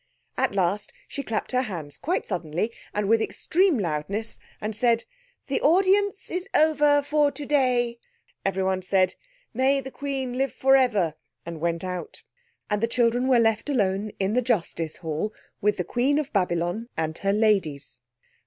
At last she clapped her hands quite suddenly and with extreme loudness, and said— "The audience is over for today." Everyone said, "May the Queen live for ever!" and went out. And the children were left alone in the justice hall with the Queen of Babylon and her ladies.